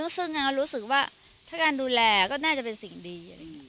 ซึ่งรู้สึกว่าถ้าการดูแลก็น่าจะเป็นสิ่งดี